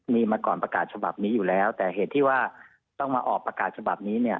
มีมาก่อนประกาศฉบับนี้อยู่แล้วแต่เหตุที่ว่าต้องมาออกประกาศฉบับนี้เนี่ย